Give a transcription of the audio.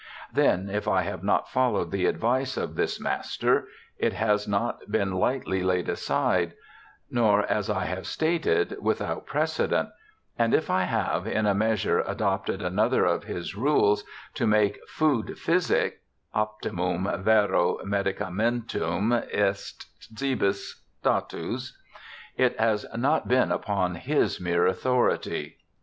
'Then, if I have not followed the advice of this master, it has not been lightly laid aside; nor, as I have stated, without precedent; and if I have, in a measure, adopted another of his rules, to make food physic {optimum vero medicamentum est cibiis datus), it has not been upon his mere authority.